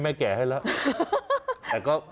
แม่แกะให้แล้ว